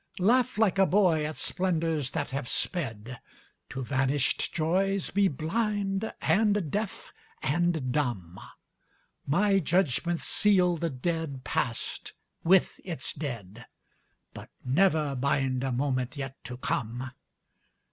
Laugh like a boy at splendors that have sped, To vanished joys be blind and deaf and dumb; My judgments seal the dead past with its dead, But never bind a moment yet to come.